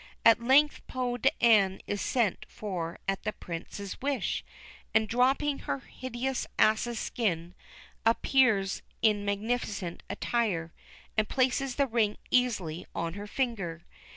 At length Peau d'Ane is sent for at the Prince's wish, and dropping her hideous ass's skin, appears in magnificent attire, and places the ring easily on her finger.